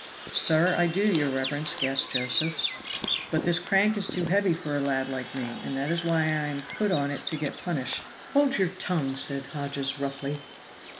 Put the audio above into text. "So I do, your reverence," gasped Josephs; "but this crank is too heavy for a lad like me, and that is why I am put on it to get punished." "Hold your tongue," said Hodges roughly.